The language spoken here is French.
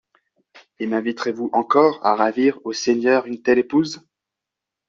Et m'inviterez-vous encore à ravir au Seigneur une telle épouse?